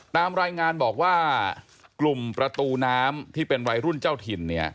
ตามรายงานบอกว่ากลุ่มประตูน้ำที่เป็นวัยรุ่นเจ้าถิ่น